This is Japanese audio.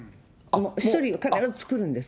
１人、必ず作るんです。